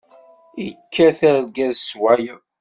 Ikkat argaz s wayeḍ.